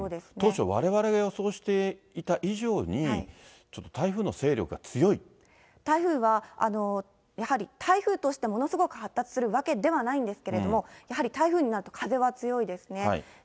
当初、われわれが予想していた以上に、台風はやはり、台風としてものすごく発達するわけではないんですけれども、やはり台風になると風は強いですね。